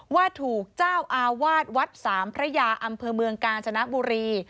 ว่าถูกเจ้าอาวาสวัดสามพระยาอำเภอเมืองกาญจนบุรี